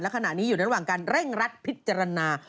ขณะนี้อยู่ระหว่างการเร่งรัดพิจารณา